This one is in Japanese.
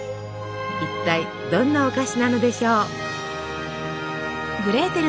一体どんなお菓子なのでしょう。